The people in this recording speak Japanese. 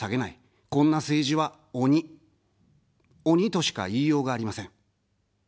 こんな政治は鬼、鬼としか言いようがありません。